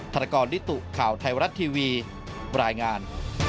ธนกรลิตุข่าวไทยรัฐทีวีรายงาน